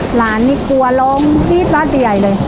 หลานนี่กลัวล้อมที่บ้านใหญ่เลย